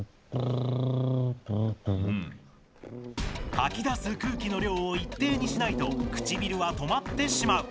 吐き出す空気の量を一定にしないと唇は止まってしまう。